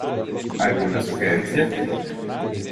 ¿Alguna sugerencia?